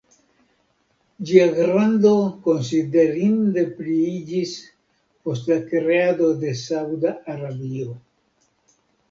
Ĝia grando konsiderinde pliiĝis post la kreado de Sauda Arabio.